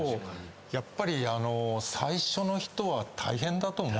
やっぱり最初の人は大変だと思うんですよね。